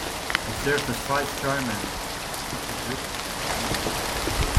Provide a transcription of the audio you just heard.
He served as vice-chairman of the group for two years.